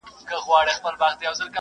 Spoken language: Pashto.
ولي ځيني هیوادونه واردات نه مني؟